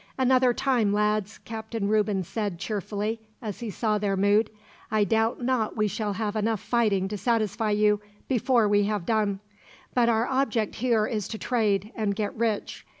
"Another time, lads," Captain Reuben said cheerfully, as he saw their mood. "I doubt not we shall have enough fighting to satisfy you, before we have done; but our object here is to trade, and get rich.